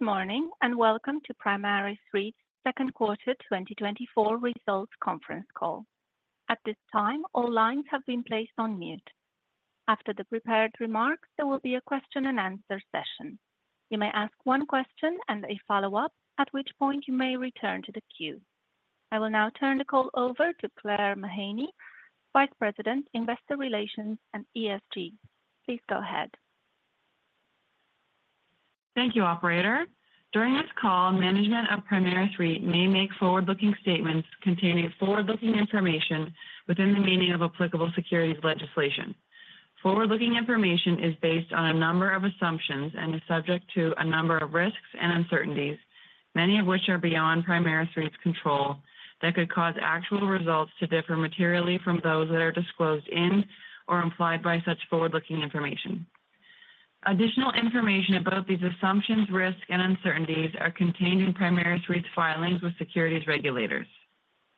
Good morning and welcome to Primaris Real Estate Investment Trust's second quarter 2024 results conference call. At this time, all lines have been placed on mute. After the prepared remarks, there will be a question-and-answer session. You may ask one question and a follow-up, at which point you may return to the queue. I will now turn the call over to Claire Mahaney, Rags Davloor, Vice President, Investor Relations and ESG. Please go ahead. Thank you, Operator. During this call, management of Primaris Real Estate Investment Trust may make forward-looking statements containing forward-looking information within the meaning of applicable securities legislation. Forward-looking information is based on a number of assumptions and is subject to a number of risks and uncertainties, many of which are beyond Primaris Real Estate Investment Trust's control that could cause actual results to differ materially from those that are disclosed in or implied by such forward-looking information. Additional information about these assumptions, risks, and uncertainties is contained in Primaris Real Estate Investment Trust's filings with securities regulators.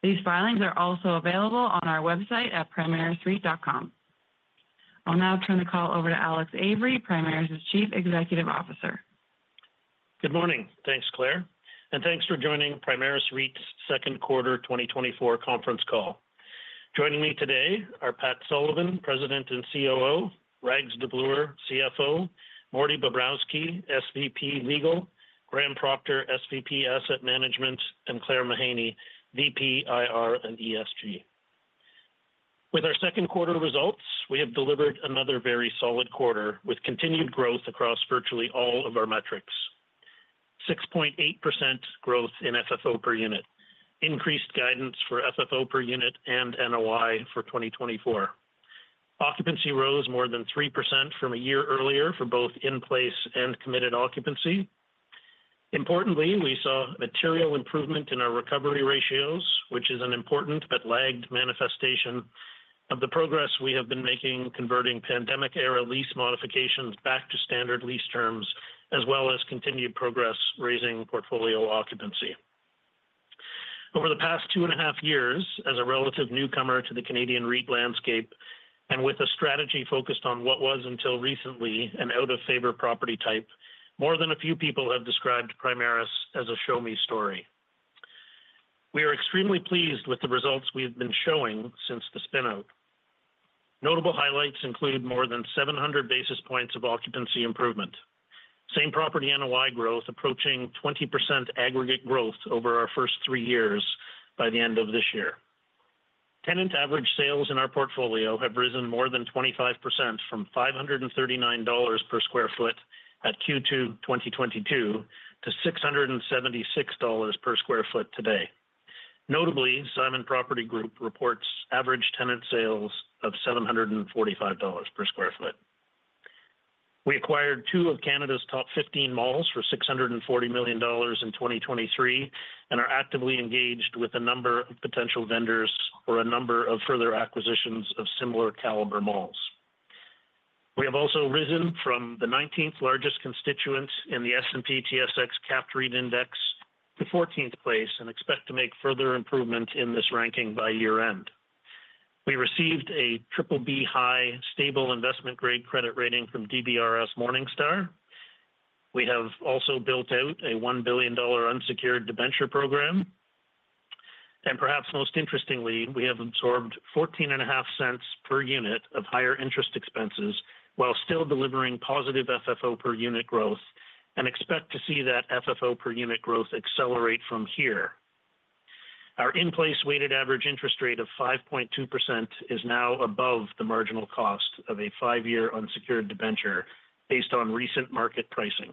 These filings are also available on our website at primarisrealestate.com. I'll now turn the call over to Alex Avery, Primaris Real Estate Investment Trust's Chief Executive Officer. Good morning. Thanks, Claire, and thanks for joining Primaris Real Estate Investment Trust's second quarter 2024 conference call. Joining me today are Pat Sullivan, President and COO; Rags Davloor, CFO; Morty Bobrowski, SVP Legal; Graham Proctor, SVP Asset Management; and Claire Mahaney, VP, IR and ESG. With our second quarter results, we have delivered another very solid quarter with continued growth across virtually all of our metrics: 6.8% growth in FFO per unit, increased guidance for FFO per unit and NOI for 2024. Occupancy rose more than 3% from a year earlier for both in-place and committed occupancy. Importantly, we saw material improvement in our recovery ratios, which is an important but lagged manifestation of the progress we have been making converting pandemic-era lease modifications back to standard lease terms, as well as continued progress raising portfolio occupancy. Over the past two and a half years, as a relative newcomer to the Canadian REIT landscape and with a strategy focused on what was until recently an out-of-favor property type, more than a few people have described Primaris as a "show me story." We are extremely pleased with the results we have been showing since the spin-out. Notable highlights include more than 700 basis points of occupancy improvement, same property NOI growth approaching 20% aggregate growth over our first three years by the end of this year. Tenant average sales in our portfolio have risen more than 25% from $539 per sq ft at Q2 2022 to $676 per sq ft today. Notably, Simon Property Group reports average tenant sales of $745 per sq ft. We acquired two of Canada's top 15 malls for 640 million dollars in 2023 and are actively engaged with a number of potential vendors for a number of further acquisitions of similar-caliber malls. We have also risen from the 19th largest constituent in the S&P/TSX Capped REIT Index to 14th place and expect to make further improvement in this ranking by year-end. We received a BBB high stable investment-grade credit rating from DBRS Morningstar. We have also built out a 1 billion dollar unsecured debenture program. And perhaps most interestingly, we have absorbed 0.14 per unit of higher interest expenses while still delivering positive FFO per unit growth and expect to see that FFO per unit growth accelerate from here. Our in-place weighted average interest rate of 5.2% is now above the marginal cost of a five-year unsecured debenture based on recent market pricing.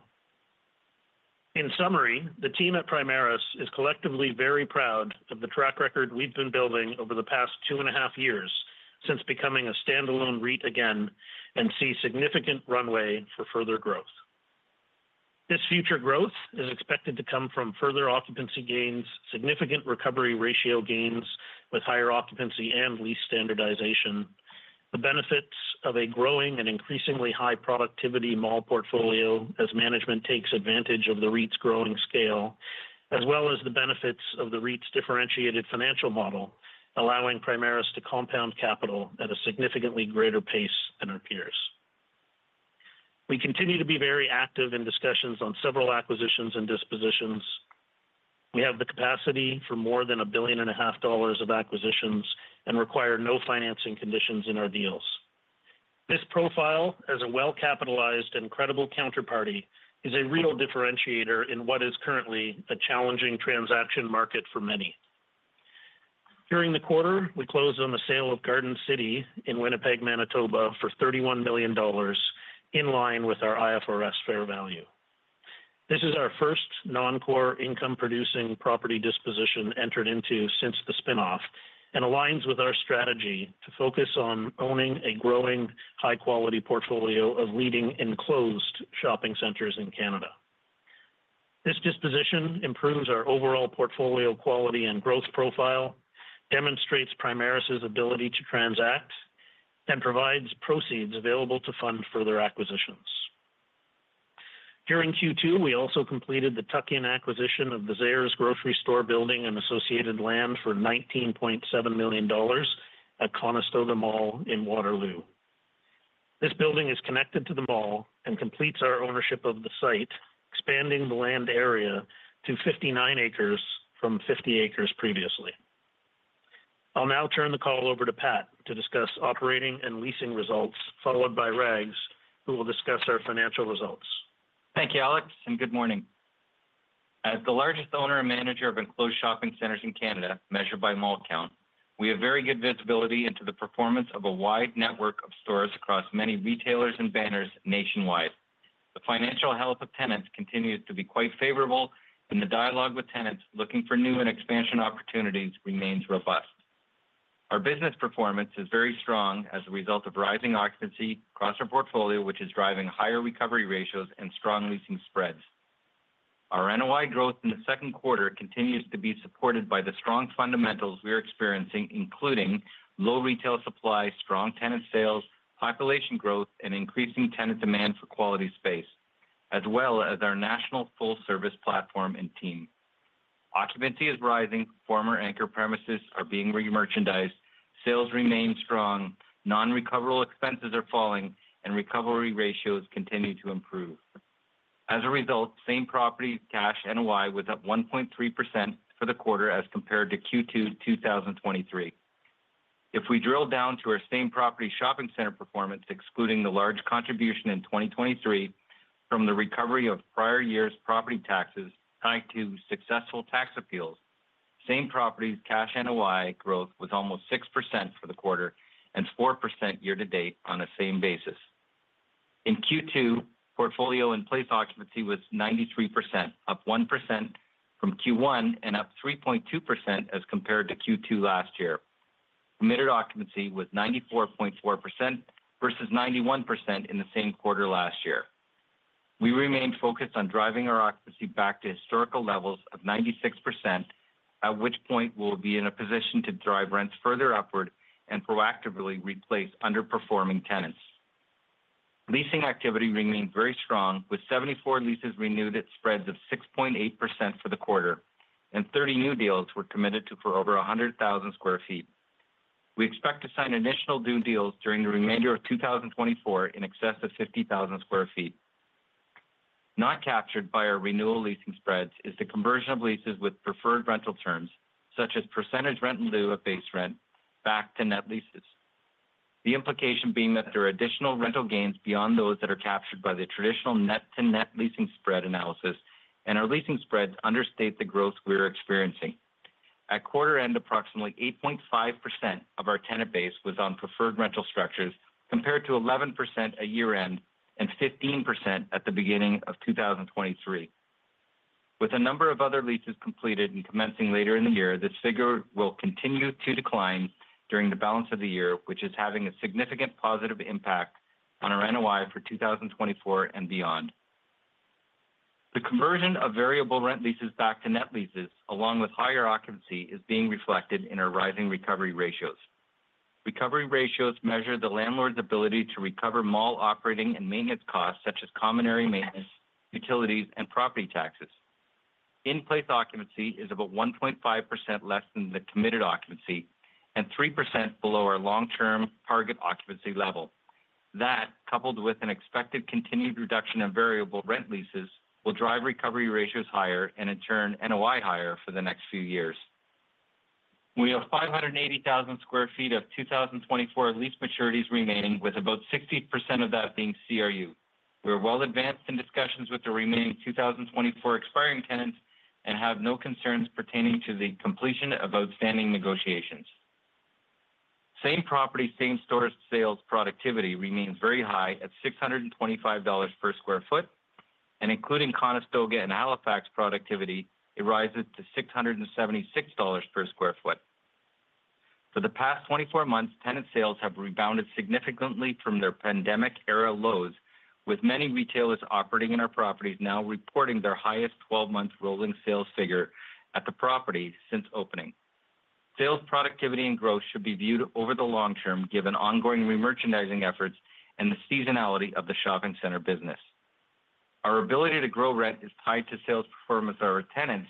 In summary, the team at Primaris is collectively very proud of the track record we've been building over the past 2.5 years since becoming a standalone REIT again and see significant runway for further growth. This future growth is expected to come from further occupancy gains, significant recovery ratio gains with higher occupancy and lease standardization, the benefits of a growing and increasingly high productivity mall portfolio as management takes advantage of the REIT's growing scale, as well as the benefits of the REIT's differentiated financial model, allowing Primaris to compound capital at a significantly greater pace than our peers. We continue to be very active in discussions on several acquisitions and dispositions. We have the capacity for more than 1.5 billion of acquisitions and require no financing conditions in our deals. This profile, as a well-capitalized and credible counterparty, is a real differentiator in what is currently a challenging transaction market for many. During the quarter, we closed on the sale of Garden City in Winnipeg, Manitoba, for $31 million, in line with our IFRS fair value. This is our first non-core income-producing property disposition entered into since the spin-off and aligns with our strategy to focus on owning a growing high-quality portfolio of leading enclosed shopping centers in Canada. This disposition improves our overall portfolio quality and growth profile, demonstrates Primaris's ability to transact, and provides proceeds available to fund further acquisitions. During Q2, we also completed the tuck-in acquisition of the Zellers Grocery Store Building and associated land for $19.7 million at Conestoga Mall in Waterloo. This building is connected to the mall and completes our ownership of the site, expanding the land area to 59 acres from 50 acres previously. I'll now turn the call over to Pat to discuss operating and leasing results, followed by Rags, who will discuss our financial results. Thank you, Alex, and good morning. As the largest owner and manager of enclosed shopping centers in Canada, measured by mall count, we have very good visibility into the performance of a wide network of stores across many retailers and banners nationwide. The financial health of tenants continues to be quite favorable, and the dialogue with tenants looking for new and expansion opportunities remains robust. Our business performance is very strong as a result of rising occupancy across our portfolio, which is driving higher recovery ratios and strong leasing spreads. Our NOI growth in the second quarter continues to be supported by the strong fundamentals we are experiencing, including low retail supply, strong tenant sales, population growth, and increasing tenant demand for quality space, as well as our national full-service platform and team. Occupancy is rising, former anchor premises are being re-merchandised, sales remain strong, non-recoverable expenses are falling, and recovery ratios continue to improve. As a result, same property cash NOI was up 1.3% for the quarter as compared to Q2 2023. If we drill down to our same property shopping center performance, excluding the large contribution in 2023 from the recovery of prior year's property taxes tied to successful tax appeals, same property cash NOI growth was almost 6% for the quarter and 4% year-to-date on the same basis. In Q2, portfolio in-place occupancy was 93%, up 1% from Q1 and up 3.2% as compared to Q2 last year. Committed occupancy was 94.4% versus 91% in the same quarter last year. We remain focused on driving our occupancy back to historical levels of 96%, at which point we'll be in a position to drive rents further upward and proactively replace underperforming tenants. Leasing activity remained very strong, with 74 leases renewed at spreads of 6.8% for the quarter, and 30 new deals were committed to for over 100,000 sq ft. We expect to sign additional new deals during the remainder of 2024 in excess of 50,000 sq ft. Not captured by our renewal leasing spreads is the conversion of leases with preferred rental terms, such as percentage rent and leave of base rent, back to net leases. The implication being that there are additional rental gains beyond those that are captured by the traditional net-to-net leasing spread analysis, and our leasing spreads understate the growth we are experiencing. At quarter-end, approximately 8.5% of our tenant base was on preferred rental structures compared to 11% at year-end and 15% at the beginning of 2023. With a number of other leases completed and commencing later in the year, this figure will continue to decline during the balance of the year, which is having a significant positive impact on our NOI for 2024 and beyond. The conversion of variable rent leases back to net leases, along with higher occupancy, is being reflected in our rising recovery ratios. Recovery ratios measure the landlord's ability to recover mall operating and maintenance costs, such as common area maintenance, utilities, and property taxes. In-place occupancy is about 1.5% less than the committed occupancy and 3% below our long-term target occupancy level. That, coupled with an expected continued reduction of variable rent leases, will drive recovery ratios higher and, in turn, NOI higher for the next few years. We have 580,000 sq ft of 2024 lease maturities remaining, with about 60% of that being CRU. We are well advanced in discussions with the remaining 2024 expiring tenants and have no concerns pertaining to the completion of outstanding negotiations. Same property, same store sales productivity remains very high at $625 per sq ft, and including Conestoga and Halifax productivity, it rises to $676 per sq ft. For the past 24 months, tenant sales have rebounded significantly from their pandemic-era lows, with many retailers operating in our properties now reporting their highest 12-month rolling sales figure at the property since opening. Sales productivity and growth should be viewed over the long term given ongoing re-merchandising efforts and the seasonality of the shopping center business. Our ability to grow rent is tied to sales performance of our tenants.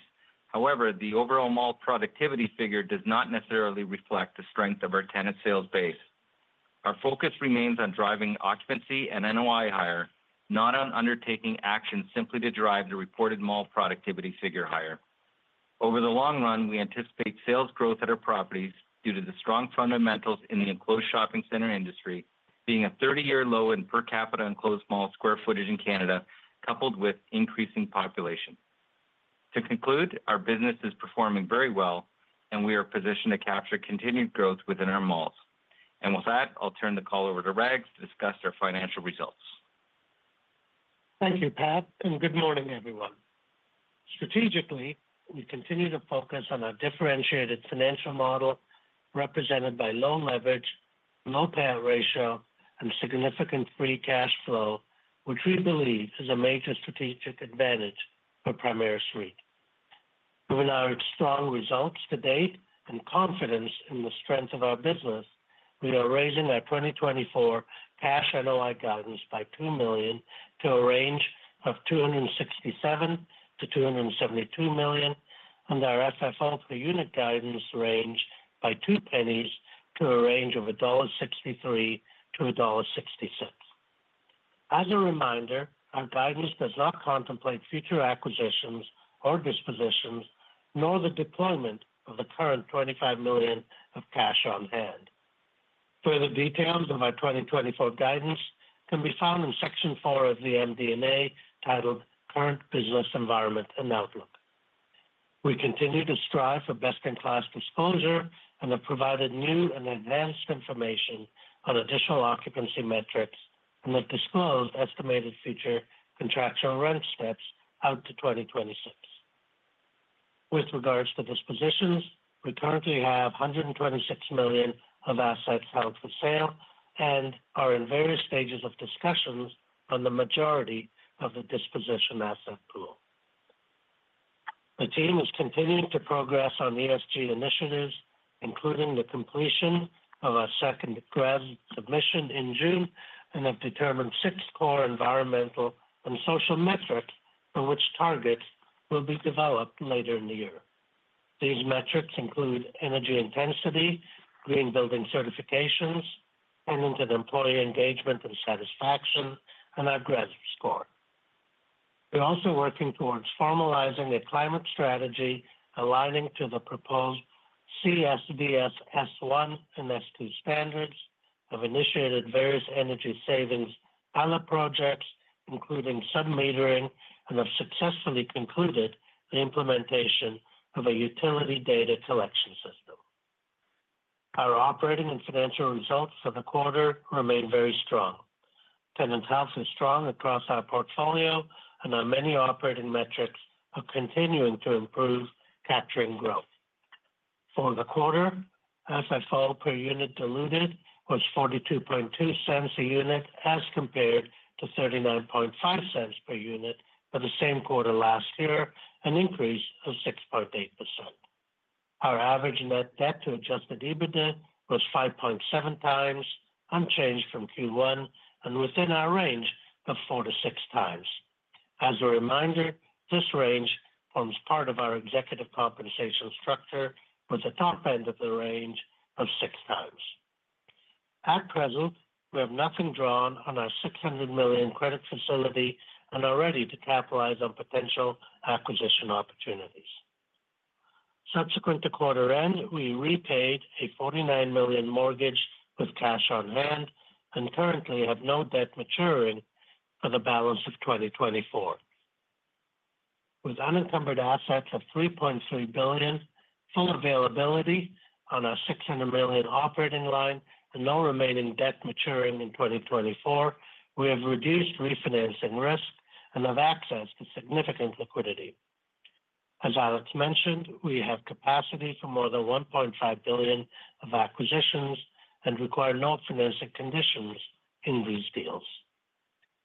However, the overall mall productivity figure does not necessarily reflect the strength of our tenant sales base. Our focus remains on driving occupancy and NOI higher, not on undertaking action simply to drive the reported mall productivity figure higher. Over the long run, we anticipate sales growth at our properties due to the strong fundamentals in the enclosed shopping center industry being a 30-year low in per capita enclosed mall square footage in Canada, coupled with increasing population. To conclude, our business is performing very well, and we are positioned to capture continued growth within our malls. With that, I'll turn the call over to Rags to discuss our financial results. Thank you, Pat, and good morning, everyone. Strategically, we continue to focus on our differentiated financial model represented by low leverage, low payout ratio, and significant free cash flow, which we believe is a major strategic advantage for Primaris REIT. Given our strong results to date and confidence in the strength of our business, we are raising our 2024 cash NOI guidance by 2 million to a range of 267 million-272 million, and our FFO per unit guidance range by 0.02 to a range of 1.63-1.66 dollar. As a reminder, our guidance does not contemplate future acquisitions or dispositions, nor the deployment of the current 25 million of cash on hand. Further details of our 2024 guidance can be found in Section 4 of the MD&A titled "Current Business Environment and Outlook." We continue to strive for best-in-class disclosure and have provided new and advanced information on additional occupancy metrics and have disclosed estimated future contractual rent steps out to 2026. With regards to dispositions, we currently have 126 million of assets held for sale and are in various stages of discussions on the majority of the disposition asset pool. The team is continuing to progress on ESG initiatives, including the completion of our second grant submission in June, and have determined six core environmental and social metrics for which targets will be developed later in the year. These metrics include energy intensity, green building certifications, tenant and employee engagement and satisfaction, and our GRESB score. We're also working towards formalizing a climate strategy aligning to the proposed CSDS S1 and S2 standards, have initiated various energy savings pilot projects, including sub-metering, and have successfully concluded the implementation of a utility data collection system. Our operating and financial results for the quarter remain very strong. Tenant health is strong across our portfolio, and our many operating metrics are continuing to improve capturing growth. For the quarter, FFO per unit diluted was $0.42 per unit as compared to $0.39 per unit for the same quarter last year, an increase of 6.8%. Our average net debt to adjusted EBITDA was 5.7 times, unchanged from Q1, and within our range of four to six times. As a reminder, this range forms part of our executive compensation structure with a top end of the range of six times. At present, we have nothing drawn on our 600 million credit facility and are ready to capitalize on potential acquisition opportunities. Subsequent to quarter-end, we repaid a 49 million mortgage with cash on hand and currently have no debt maturing for the balance of 2024. With unencumbered assets of 3.3 billion, full availability on our 600 million operating line, and no remaining debt maturing in 2024, we have reduced refinancing risk and have access to significant liquidity. As Alex mentioned, we have capacity for more than 1.5 billion of acquisitions and require no financing conditions in these deals.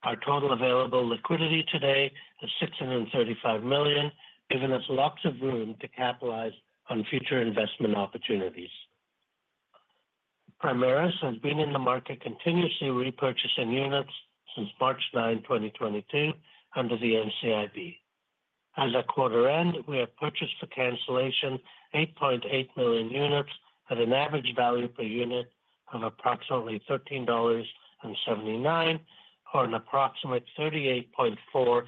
Our total available liquidity today is 635 million, giving us lots of room to capitalize on future investment opportunities. Primaris has been in the market continuously repurchasing units since March 9, 2022, under the NCIB. As at quarter-end, we have purchased for cancellation 8.8 million units at an average value per unit of approximately 13.79 dollars, or an approximate 38.4%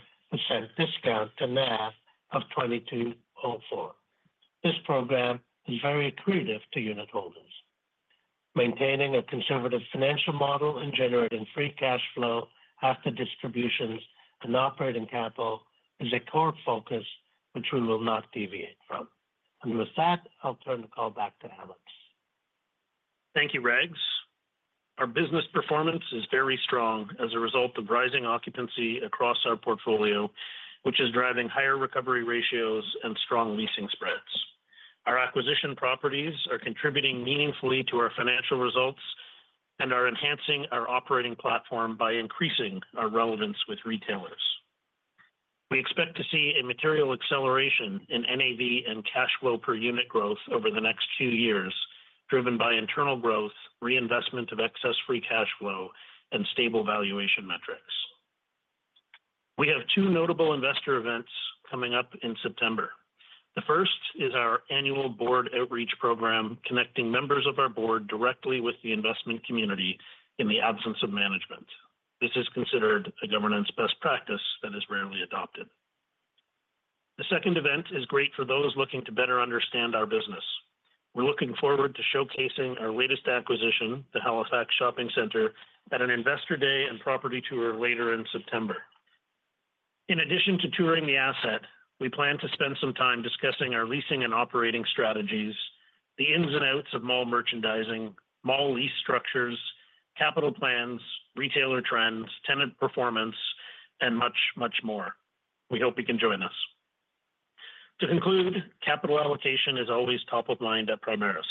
discount to NAV of 22.04. This program is very accretive to unit holders. Maintaining a conservative financial model and generating free cash flow after distributions and operating capital is a core focus, which we will not deviate from. And with that, I'll turn the call back to Alex. Thank you, Rags. Our business performance is very strong as a result of rising occupancy across our portfolio, which is driving higher recovery ratios and strong leasing spreads. Our acquisition properties are contributing meaningfully to our financial results and are enhancing our operating platform by increasing our relevance with retailers. We expect to see a material acceleration in NAV and cash flow per unit growth over the next few years, driven by internal growth, reinvestment of excess free cash flow, and stable valuation metrics. We have two notable investor events coming up in September. The first is our annual board outreach program, connecting members of our board directly with the investment community in the absence of management. This is considered a governance best practice that is rarely adopted. The second event is great for those looking to better understand our business. We're looking forward to showcasing our latest acquisition, the Halifax Shopping Centre, at an investor day and property tour later in September. In addition to touring the asset, we plan to spend some time discussing our leasing and operating strategies, the ins and outs of mall merchandising, mall lease structures, capital plans, retailer trends, tenant performance, and much, much more. We hope you can join us. To conclude, capital allocation is always top of mind at Primaris.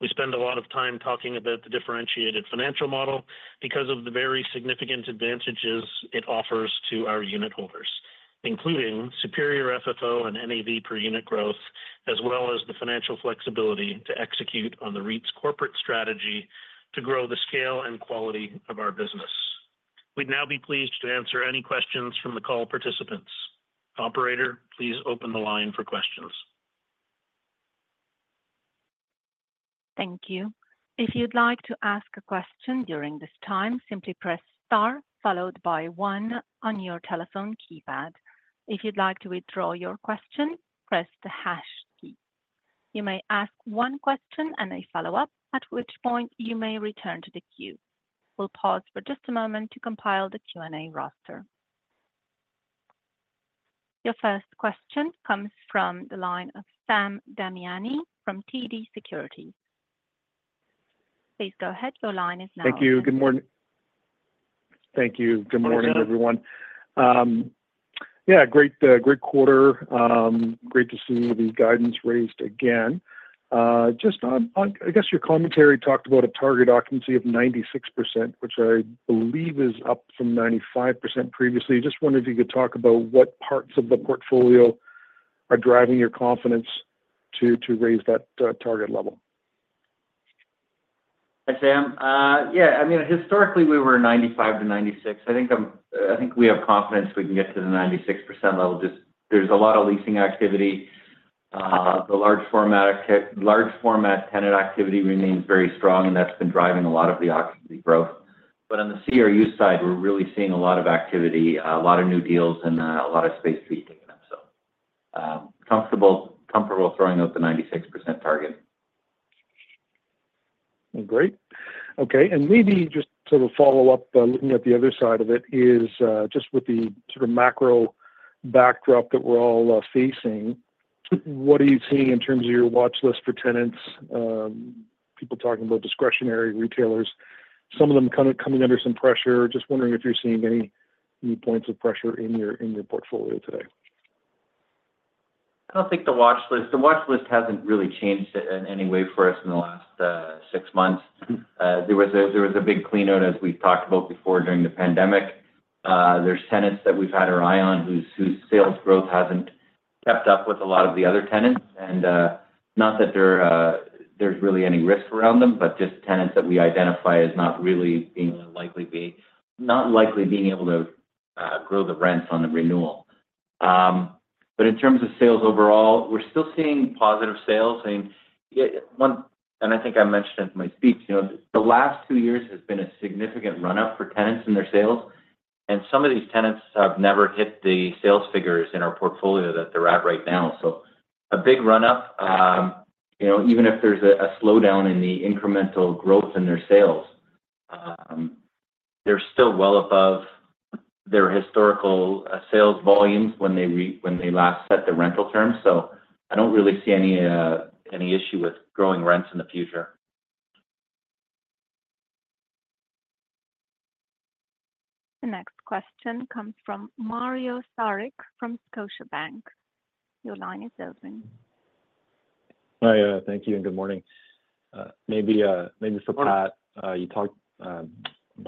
We spend a lot of time talking about the differentiated financial model because of the very significant advantages it offers to our unit holders, including superior FFO and NAV per unit growth, as well as the financial flexibility to execute on the REIT's corporate strategy to grow the scale and quality of our business. We'd now be pleased to answer any questions from the call participants. Operator, please open the line for questions. Thank you. If you'd like to ask a question during this time, simply press star followed by one on your telephone keypad. If you'd like to withdraw your question, press the hash key. You may ask one question and a follow-up, at which point you may return to the queue. We'll pause for just a moment to compile the Q&A roster. Your first question comes from the line of Sam Damiani from TD Securities. Please go ahead. Your line is now. Thank you. Good morning. Thank you. Good morning, everyone. Yeah, great quarter. Great to see the guidance raised again. Just on, I guess your commentary talked about a target occupancy of 96%, which I believe is up from 95% previously. Just wondered if you could talk about what parts of the portfolio are driving your confidence to raise that target level. Hi, Sam. Yeah, I mean, historically, we were 95%-96%. I think we have confidence we can get to the 96% level. Just there's a lot of leasing activity. The large-format tenant activity remains very strong, and that's been driving a lot of the occupancy growth. But on the CRU side, we're really seeing a lot of activity, a lot of new deals, and a lot of space to be taken up. So comfortable throwing out the 96% target. Great. Okay. And maybe just sort of follow-up, looking at the other side of it, is just with the sort of macro backdrop that we're all facing, what are you seeing in terms of your watch list for tenants? People talking about discretionary retailers, some of them coming under some pressure. Just wondering if you're seeing any points of pressure in your portfolio today. I don't think the watch list hasn't really changed in any way for us in the last six months. There was a big clean out, as we've talked about before, during the pandemic. There's tenants that we've had our eye on whose sales growth hasn't kept up with a lot of the other tenants. And not that there's really any risk around them, but just tenants that we identify as not really being able to grow the rents on the renewal. But in terms of sales overall, we're still seeing positive sales. And I think I mentioned at my speech, the last two years has been a significant run-up for tenants in their sales. And some of these tenants have never hit the sales figures in our portfolio that they're at right now. A big run-up, even if there's a slowdown in the incremental growth in their sales, they're still well above their historical sales volumes when they last set the rental terms. I don't really see any issue with growing rents in the future. The next question comes from Mario Saric from Scotiabank. Your line is open. Hi, thank you, and good morning. Maybe for Pat,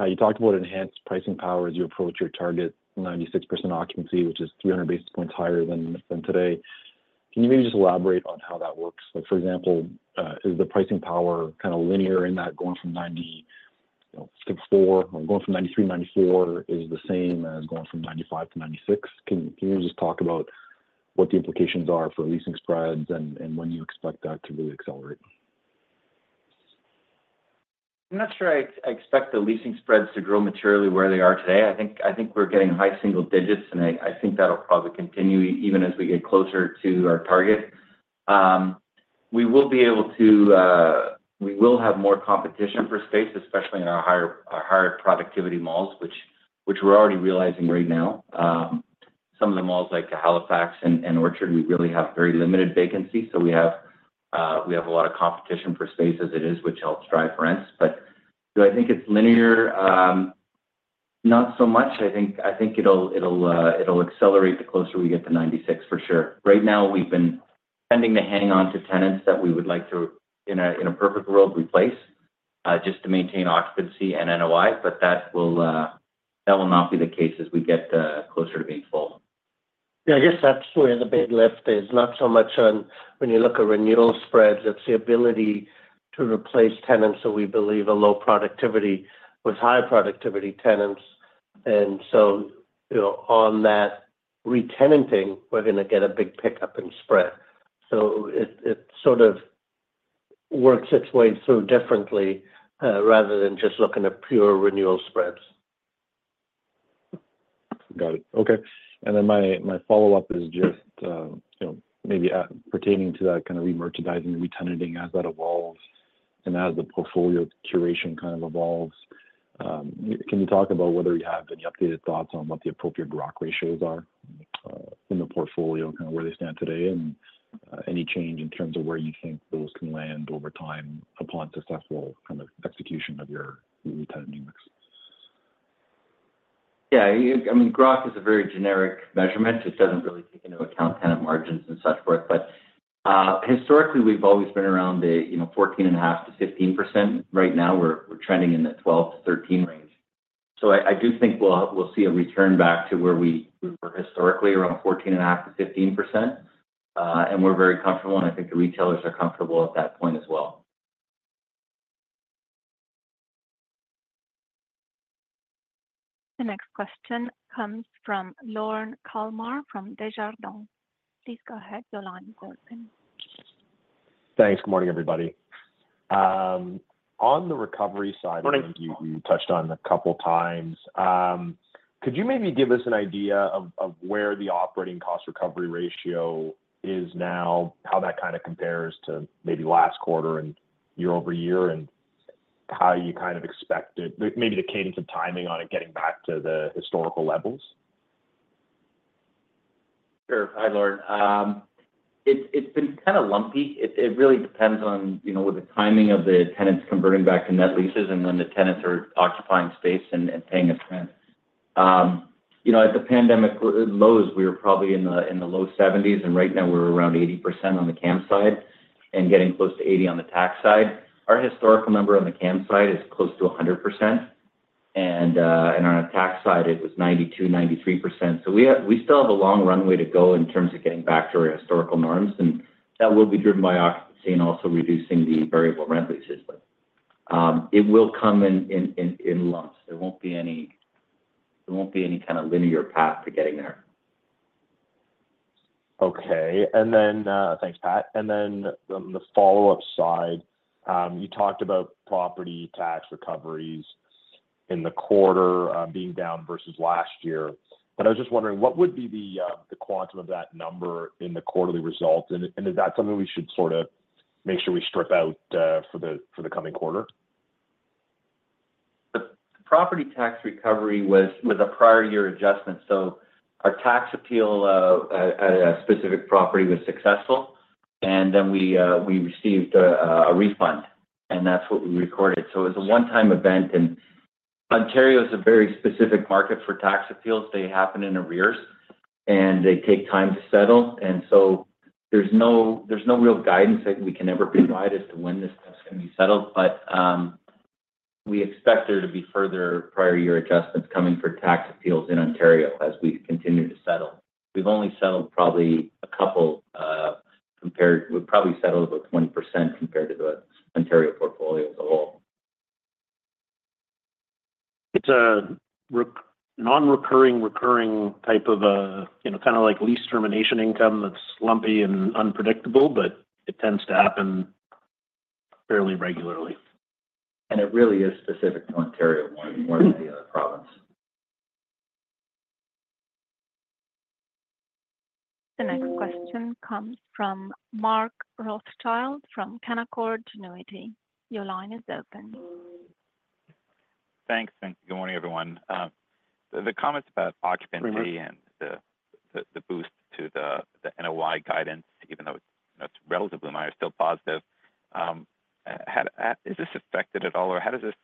you talked about enhanced pricing power as you approach your target 96% occupancy, which is 300 basis points higher than today. Can you maybe just elaborate on how that works? For example, is the pricing power kind of linear in that going from 94 or going from 93 to 94 is the same as going from 95 to 96? Can you just talk about what the implications are for leasing spreads and when you expect that to really accelerate? I'm not sure I expect the leasing spreads to grow materially where they are today. I think we're getting high single digits, and I think that'll probably continue even as we get closer to our target. We will have more competition for space, especially in our higher productivity malls, which we're already realizing right now. Some of the malls like Halifax and Orchard, we really have very limited vacancy. So we have a lot of competition for space as it is, which helps drive rents. But do I think it's linear? Not so much. I think it'll accelerate the closer we get to 96, for sure. Right now, we've been tending to hang on to tenants that we would like to, in a perfect world, replace just to maintain occupancy and NOI, but that will not be the case as we get closer to being full. Yeah, I guess that's where the big lift is. Not so much on when you look at renewal spreads. It's the ability to replace tenants that we believe are low productivity with high productivity tenants. And so on that retenanting, we're going to get a big pickup in spread. So it sort of works its way through differently rather than just looking at pure renewal spreads. Got it. Okay. And then my follow-up is just maybe pertaining to that kind of re-merchandising, retenanting as that evolves and as the portfolio curation kind of evolves. Can you talk about whether you have any updated thoughts on what the appropriate GROC ratios are in the portfolio, kind of where they stand today, and any change in terms of where you think those can land over time upon successful kind of execution of your retenanting mix? Yeah. I mean, GROC is a very generic measurement. It doesn't really take into account tenant margins and such work. But historically, we've always been around the 14.5%-15%. Right now, we're trending in the 12%-13% range. So I do think we'll see a return back to where we were historically, around 14.5%-15%. And we're very comfortable, and I think the retailers are comfortable at that point as well. The next question comes from Lorne Kalmar from Desjardins. Please go ahead. Your line is open. Thanks. Good morning, everybody. On the recovery side, I think you touched on a couple of times. Could you maybe give us an idea of where the operating cost recovery ratio is now, how that kind of compares to maybe last quarter and year over year, and how you kind of expect maybe the cadence of timing on it getting back to the historical levels? Sure. Hi, Lorne. It's been kind of lumpy. It really depends on the timing of the tenants converting back to net leases and when the tenants are occupying space and paying us rent. At the pandemic lows, we were probably in the low 70s, and right now, we're around 80% on the CAM side and getting close to 80% on the tax side. Our historical number on the CAM side is close to 100%. And on the tax side, it was 92%-93%. So we still have a long runway to go in terms of getting back to our historical norms. And that will be driven by occupancy and also reducing the variable rent leases. But it will come in lumps. There won't be any kind of linear path to getting there. Okay. And then thanks, Pat. And then on the follow-up side, you talked about property tax recoveries in the quarter being down versus last year. But I was just wondering, what would be the quantum of that number in the quarterly results? And is that something we should sort of make sure we strip out for the coming quarter? The property tax recovery was a prior year adjustment. So our tax appeal at a specific property was successful, and then we received a refund. And that's what we recorded. So it was a one-time event. And Ontario is a very specific market for tax appeals. They happen in arrears, and they take time to settle. And so there's no real guidance that we can ever provide as to when this stuff's going to be settled. But we expect there to be further prior year adjustments coming for tax appeals in Ontario as we continue to settle. We've only settled probably a couple compared—we've probably settled about 20% compared to the Ontario portfolio as a whole. It's a non-recurring, recurring type of kind of like lease termination income that's lumpy and unpredictable, but it tends to happen fairly regularly. It really is specific to Ontario, more than any other province. The next question comes from Mark Rothschild from Canaccord Genuity. Your line is open. Thanks. Good morning, everyone. The comments about occupancy and the boost to the NOI guidance, even though it's relatively minor, still positive. Is this affected at all, or how does this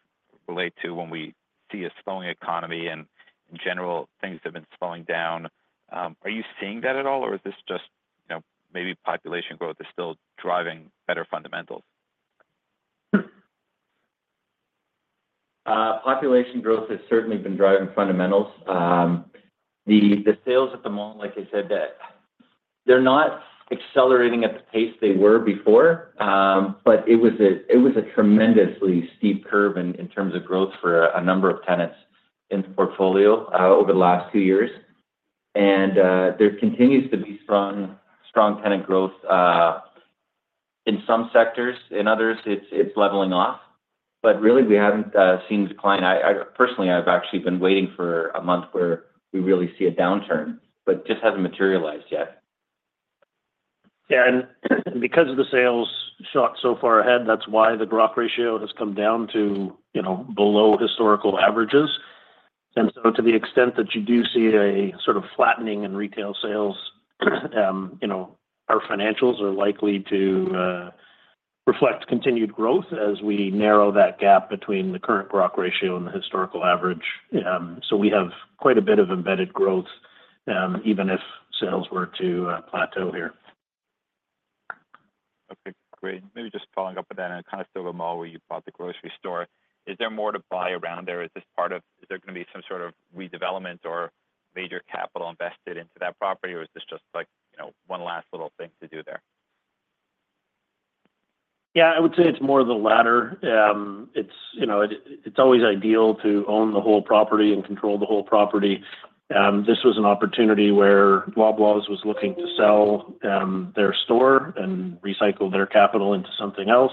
relate to when we see a slowing economy and, in general, things have been slowing down? Are you seeing that at all, or is this just maybe population growth is still driving better fundamentals? Population growth has certainly been driving fundamentals. The sales at the mall, like I said, they're not accelerating at the pace they were before, but it was a tremendously steep curve in terms of growth for a number of tenants in the portfolio over the last two years. There continues to be strong tenant growth in some sectors. In others, it's leveling off. Really, we haven't seen a decline. Personally, I've actually been waiting for a month where we really see a downturn, but it just hasn't materialized yet. Yeah. Because of the sales shot so far ahead, that's why the GROC ratio has come down to below historical averages. To the extent that you do see a sort of flattening in retail sales, our financials are likely to reflect continued growth as we narrow that gap between the current GROC ratio and the historical average. We have quite a bit of embedded growth, even if sales were to plateau here. Okay. Great. Maybe just following up on that, and it kind of still reminds me where you bought the grocery store. Is there more to buy around there? Is this part of, is there going to be some sort of redevelopment or major capital invested into that property, or is this just one last little thing to do there? Yeah. I would say it's more of the latter. It's always ideal to own the whole property and control the whole property. This was an opportunity where Loblaws was looking to sell their store and recycle their capital into something else.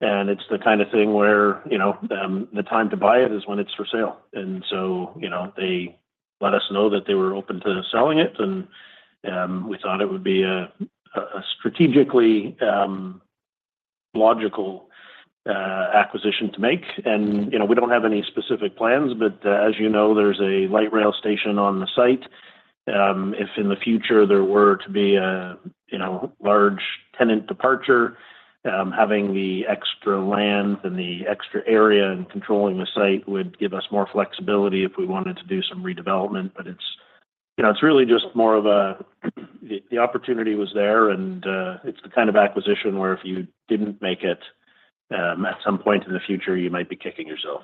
It's the kind of thing where the time to buy it is when it's for sale. So they let us know that they were open to selling it, and we thought it would be a strategically logical acquisition to make. We don't have any specific plans, but as you know, there's a light rail station on the site. If in the future there were to be a large tenant departure, having the extra land and the extra area and controlling the site would give us more flexibility if we wanted to do some redevelopment. But it's really just more of a, the opportunity was there, and it's the kind of acquisition where if you didn't make it at some point in the future, you might be kicking yourself.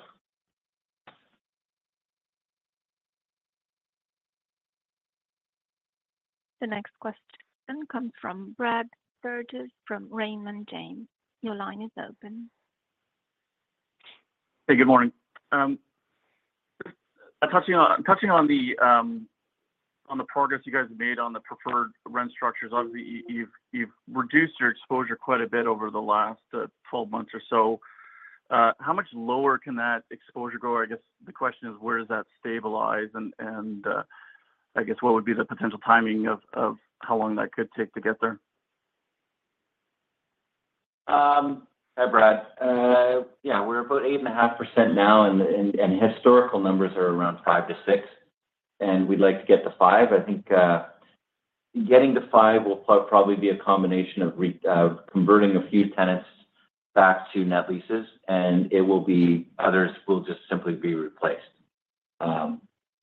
The next question comes from Brad Sturges from Raymond James. Your line is open. Hey, good morning. I'm touching on the progress you guys have made on the preferred rent structures. Obviously, you've reduced your exposure quite a bit over the last 12 months or so. How much lower can that exposure go? I guess the question is, where does that stabilize? And I guess, what would be the potential timing of how long that could take to get there? Hi, Brad. Yeah. We're about 8.5% now, and historical numbers are around 5%-6%. And we'd like to get to 5%. I think getting to 5% will probably be a combination of converting a few tenants back to net leases, and it will be others will just simply be replaced.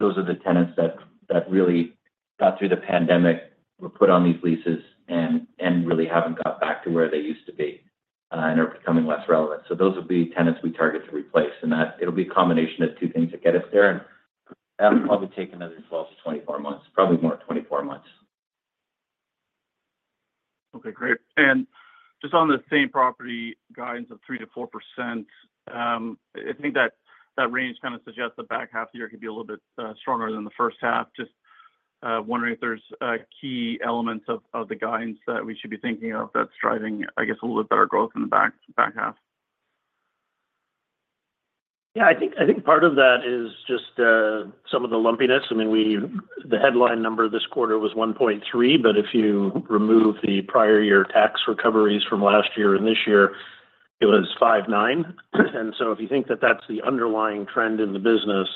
Those are the tenants that really got through the pandemic, were put on these leases, and really haven't got back to where they used to be and are becoming less relevant. So those will be tenants we target to replace. And it'll be a combination of two things that get us there. And that'll probably take another 12-24 months, probably more than 24 months. Okay. Great. And just on the same property guidance of 3%-4%, I think that range kind of suggests the back half of the year could be a little bit stronger than the first half. Just wondering if there's key elements of the guidance that we should be thinking of that's driving, I guess, a little bit better growth in the back half. Yeah. I think part of that is just some of the lumpiness. I mean, the headline number this quarter was 1.3, but if you remove the prior year tax recoveries from last year and this year, it was 5.9. And so if you think that that's the underlying trend in the business,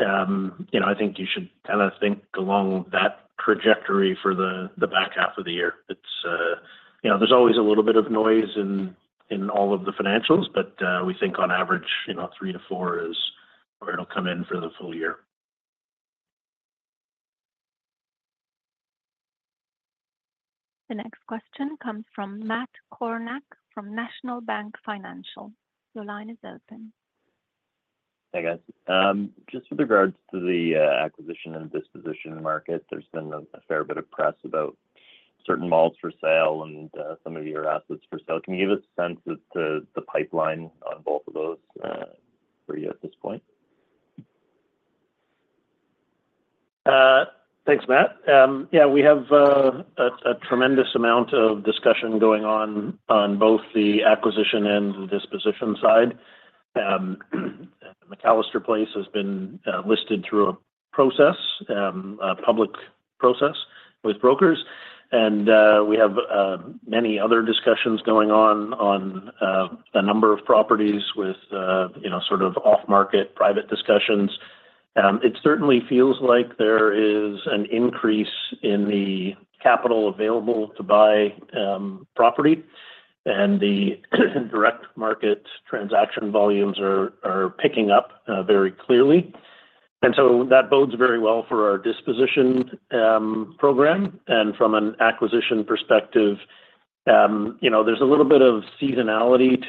I think you should kind of think along that trajectory for the back half of the year. There's always a little bit of noise in all of the financials, but we think, on average, 3-4 is where it'll come in for the full year. The next question comes from Matt Kornack from National Bank Financial. Your line is open. Hey, guys. Just with regards to the acquisition and disposition market, there's been a fair bit of press about certain malls for sale and some of your assets for sale. Can you give us a sense as to the pipeline on both of those for you at this point? Thanks, Matt. Yeah. We have a tremendous amount of discussion going on both the acquisition and the disposition side. McAllister Place has been listed through a process, a public process with brokers. And we have many other discussions going on a number of properties with sort of off-market private discussions. It certainly feels like there is an increase in the capital available to buy property, and the direct market transaction volumes are picking up very clearly. And so that bodes very well for our disposition program. And from an acquisition perspective, there's a little bit of seasonality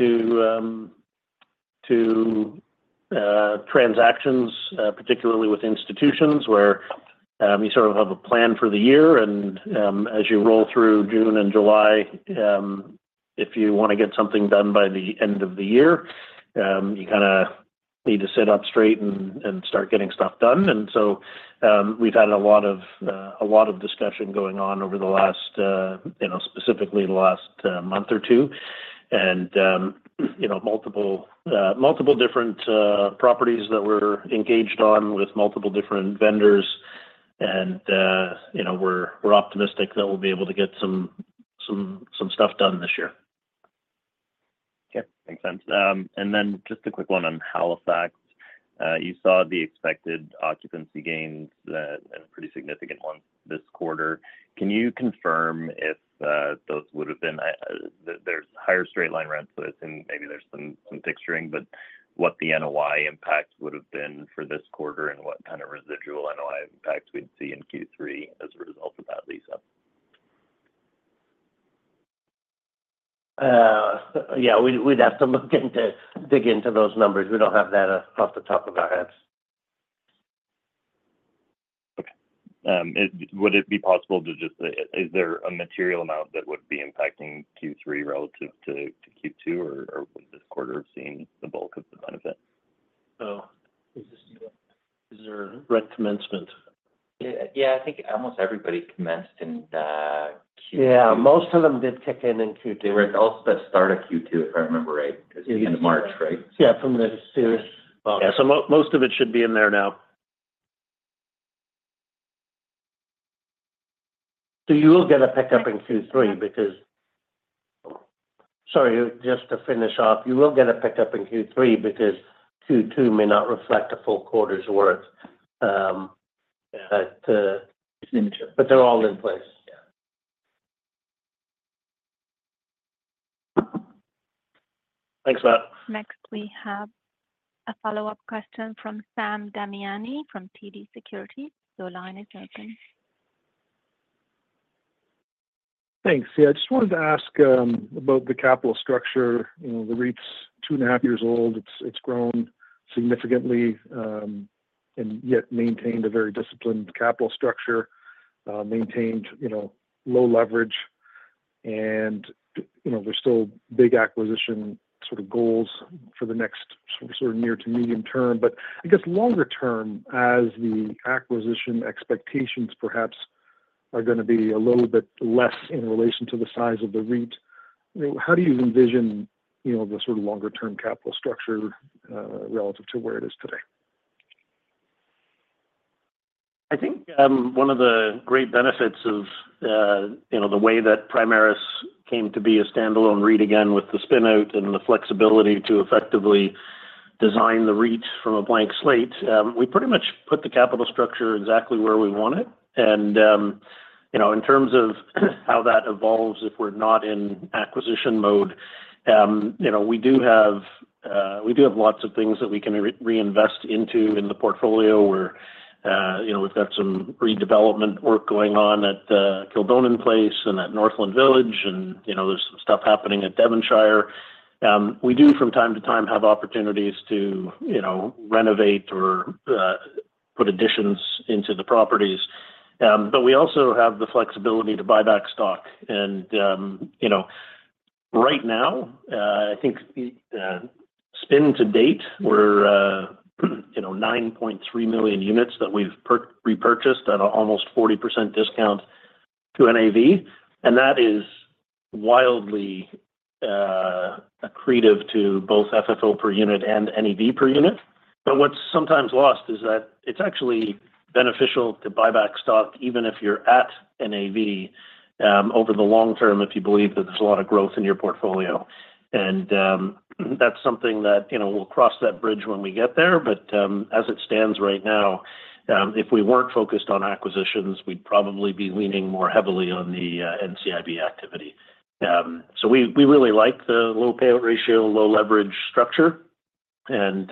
to transactions, particularly with institutions, where you sort of have a plan for the year. And as you roll through June and July, if you want to get something done by the end of the year, you kind of need to sit up straight and start getting stuff done. We've had a lot of discussion going on over the last, specifically the last month or two, and multiple different properties that we're engaged on with multiple different vendors. We're optimistic that we'll be able to get some stuff done this year. Okay. Makes sense. And then just a quick one on Halifax. You saw the expected occupancy gains, and pretty significant ones this quarter. Can you confirm if those would have been there's higher straight-line rents, so I assume maybe there's some fixturing, but what the NOI impact would have been for this quarter and what kind of residual NOI impact we'd see in Q3 as a result of that lease-up? Yeah. We'd have to dig into those numbers. We don't have that off the top of our heads. Okay. Would it be possible? Is there a material amount that would be impacting Q3 relative to Q2, or would this quarter have seen the bulk of the benefit? Oh, is there rent commencement? Yeah. I think almost everybody commenced in Q2. Yeah. Most of them did kick in in Q2. They were all set to start at Q2, if I remember right, because it's in March, right? Yeah. From the series. Yeah. So most of it should be in there now. You will get a pickup in Q3 because sorry, just to finish off, you will get a pickup in Q3 because Q2 may not reflect a full quarter's worth. Yeah. It's immature. But they're all in place. Yeah. Thanks, Matt. Next, we have a follow-up question from Sam Damiani from TD Securities. Your line is open. Thanks. Yeah. I just wanted to ask about the capital structure. The REIT's 2.5 years old. It's grown significantly and yet maintained a very disciplined capital structure, maintained low leverage. And there's still big acquisition sort of goals for the next sort of near to medium term. But I guess longer term, as the acquisition expectations perhaps are going to be a little bit less in relation to the size of the REIT, how do you envision the sort of longer-term capital structure relative to where it is today? I think one of the great benefits of the way that Primaris came to be a standalone REIT again with the spinout and the flexibility to effectively design the REIT from a blank slate, we pretty much put the capital structure exactly where we want it. In terms of how that evolves, if we're not in acquisition mode, we do have lots of things that we can reinvest into in the portfolio. We've got some redevelopment work going on at Kildonan Place and at Northland Village, and there's some stuff happening at Devonshire. We do, from time to time, have opportunities to renovate or put additions into the properties. But we also have the flexibility to buy back stock. Right now, I think spin to date, we're 9.3 million units that we've repurchased at almost 40% discount to NAV. That is wildly accretive to both FFO per unit and NAV per unit. But what's sometimes lost is that it's actually beneficial to buy back stock, even if you're at NAV over the long term, if you believe that there's a lot of growth in your portfolio. And that's something that we'll cross that bridge when we get there. But as it stands right now, if we weren't focused on acquisitions, we'd probably be leaning more heavily on the NCIB activity. So we really like the low payout ratio, low leverage structure, and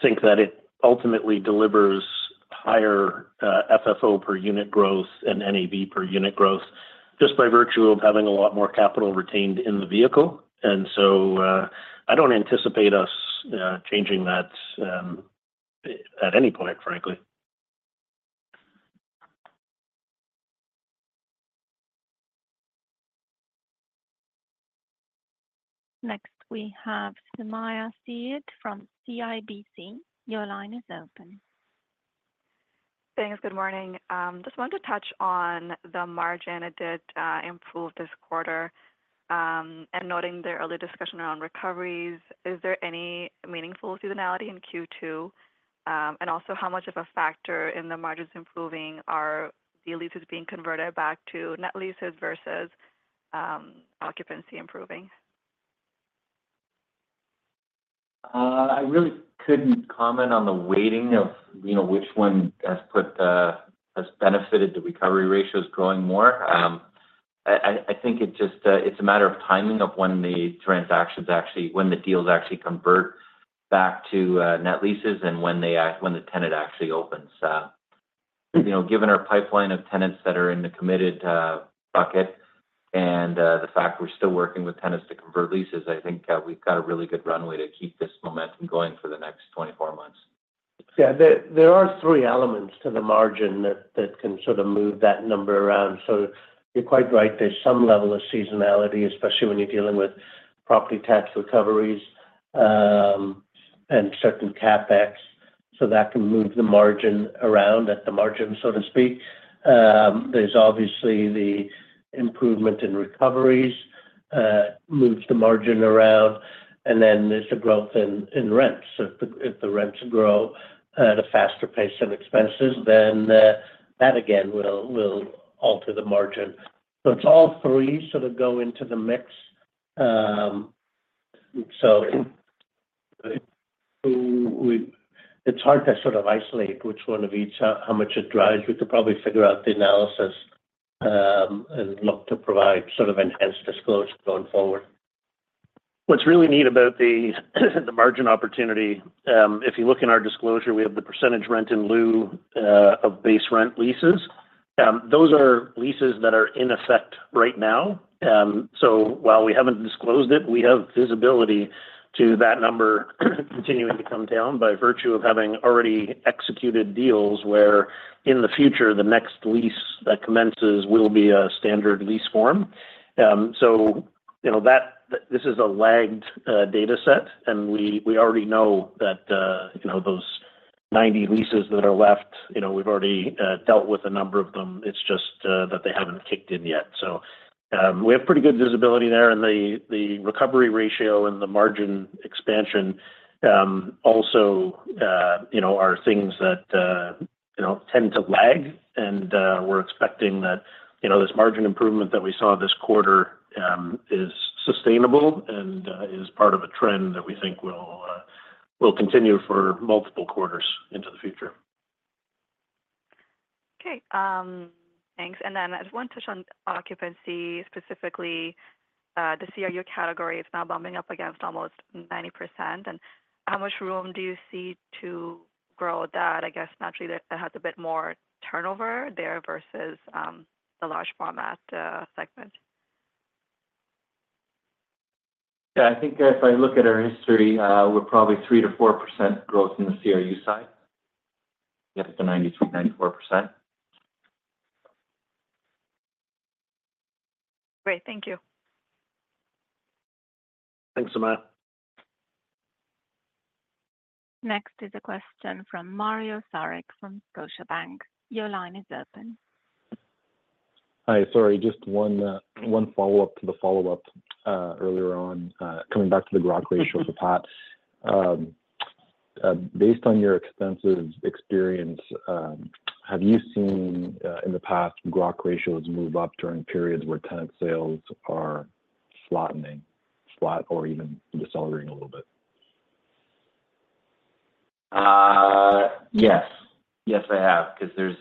think that it ultimately delivers higher FFO per unit growth and NAV per unit growth just by virtue of having a lot more capital retained in the vehicle. And so I don't anticipate us changing that at any point, frankly. Next, we have Sumayya Syed from CIBC. Your line is open. Thanks. Good morning. Just wanted to touch on the margin. It did improve this quarter. Noting the early discussion around recoveries, is there any meaningful seasonality in Q2? Also, how much of a factor in the margins improving are the leases being converted back to net leases versus occupancy improving? I really couldn't comment on the weighting of which one has benefited the recovery ratios growing more. I think it's a matter of timing of when the deals actually convert back to net leases and when the tenant actually opens. Given our pipeline of tenants that are in the committed bucket and the fact we're still working with tenants to convert leases, I think we've got a really good runway to keep this momentum going for the next 24 months. Yeah. There are three elements to the margin that can sort of move that number around. So you're quite right. There's some level of seasonality, especially when you're dealing with property tax recoveries and certain CapEx. So that can move the margin around at the margin, so to speak. There's obviously the improvement in recoveries that moves the margin around. And then there's the growth in rents. So if the rents grow at a faster pace than expenses, then that, again, will alter the margin. So it's all three sort of go into the mix. So it's hard to sort of isolate which one of each, how much it drives. We could probably figure out the analysis and look to provide sort of enhanced disclosure going forward. What's really neat about the margin opportunity, if you look in our disclosure, we have the percentage rent in lieu of base rent leases. Those are leases that are in effect right now. So while we haven't disclosed it, we have visibility to that number continuing to come down by virtue of having already executed deals where, in the future, the next lease that commences will be a standard lease form. So this is a lagged data set, and we already know that those 90 leases that are left, we've already dealt with a number of them. It's just that they haven't kicked in yet. So we have pretty good visibility there. And the recovery ratio and the margin expansion also are things that tend to lag. We're expecting that this margin improvement that we saw this quarter is sustainable and is part of a trend that we think will continue for multiple quarters into the future. Okay. Thanks. And then I just want to touch on occupancy specifically. The CRU category is now bumping up against almost 90%. And how much room do you see to grow that? I guess naturally, that has a bit more turnover there versus the large format segment. Yeah. I think if I look at our history, we're probably 3%-4% growth in the CRU side. Yeah, up to 93%-94%. Great. Thank you. Thanks, Samaya. Next is a question from Mario Saric from Scotiabank. Your line is open. Hi. Sorry. Just one follow-up to the follow-up earlier on, coming back to the GROC ratio for Pat. Based on your extensive experience, have you seen in the past GROC ratios move up during periods where tenant sales are flattening, flat, or even decelerating a little bit? Yes. Yes, I have because there's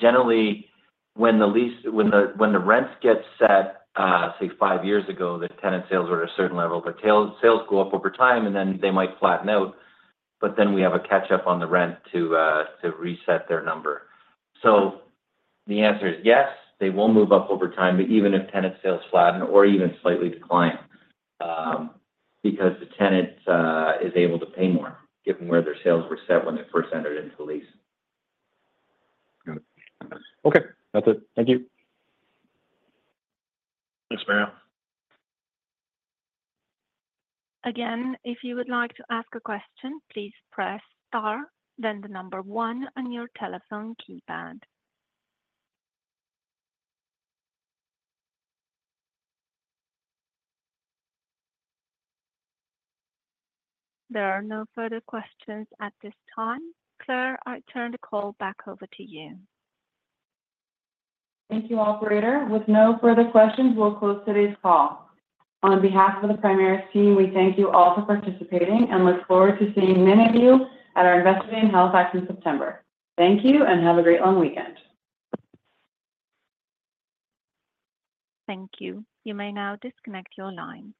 generally, when the rents get set, say, five years ago, the tenant sales were at a certain level. Their sales go up over time, and then they might flatten out. But then we have a catch-up on the rent to reset their number. So the answer is yes, they will move up over time, even if tenant sales flatten or even slightly decline because the tenant is able to pay more given where their sales were set when they first entered into the lease. Got it. Okay. That's it. Thank you. Thanks, Mario. Again, if you would like to ask a question, please press star, then the number one on your telephone keypad. There are no further questions at this time. Claire, I turn the call back over to you. Thank you, Operator. With no further questions, we'll close today's call. On behalf of the Primaris team, we thank you all for participating and look forward to seeing many of you at our Investor Day in Halifax in September. Thank you, and have a great long weekend. Thank you. You may now disconnect your line.